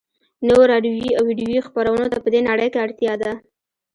نویو راډیویي او ويډیویي خپرونو ته په دې نړۍ کې اړتیا ده